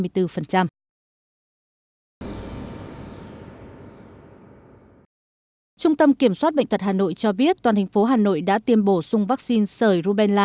trung tâm kiểm soát bệnh tật hà nội cho biết toàn thành phố hà nội đã tiêm bổ sung vaccine sởi rubella